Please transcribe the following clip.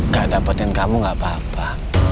gak dapetin kamu gak apa apa